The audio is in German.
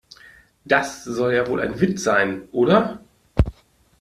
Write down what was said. Das soll ja wohl ein Witz sein, oder?